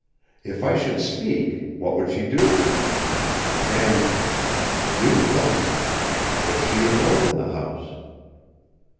If I should speak, what would she do? And a new thought! was she alone in the house?